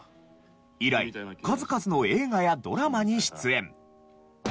以来数々の映画やドラマに出演。